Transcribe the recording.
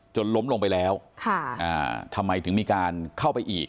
ล้มลงไปแล้วทำไมถึงมีการเข้าไปอีก